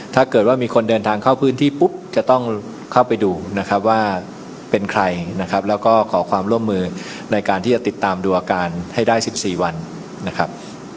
ถ้าเกิดว่ามีคนเดินทางเข้าพื้นที่ปุ๊บจะต้องเข้าไปดูนะครับว่าเป็นใครนะครับแล้วก็ขอความร่วมมือในการที่จะติดตามดูอาการให้ได้๑๔วันนะครับ